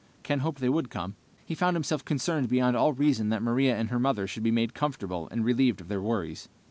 Ken hoped they would come. He found himself concerned beyond all reason that Maria and her mother should be made comfortable and relieved of their worries.